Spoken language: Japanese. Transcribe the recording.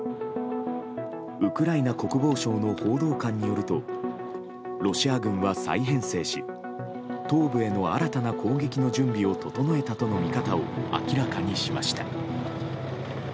ウクライナ国防省の報道官によるとロシア軍は再編成し東部への新たな攻撃の準備を整えたとの見方を明らかにしました。